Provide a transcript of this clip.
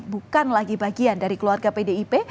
bukan lagi bagian dari keluarga pdip